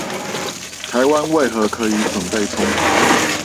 台灣為何可以準備充足